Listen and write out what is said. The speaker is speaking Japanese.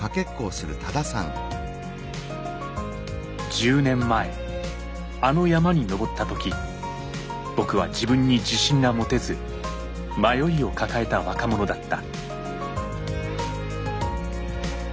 １０年前あの山に登った時僕は自分に自信が持てず迷いを抱えた若者だった。